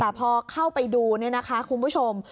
แต่พอเข้าไปดูนะคุณผู้ชม